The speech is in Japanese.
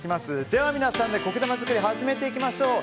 では皆さんで苔玉作り始めていきましょう。